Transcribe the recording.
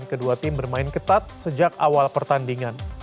kedua tim bermain ketat sejak awal pertandingan